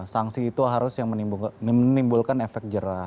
sanksi itu harus yang menimbulkan efek jerah